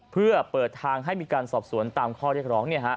เพื่อเปิดทางให้มีการสอบสวนตามข้อเรียกร้อง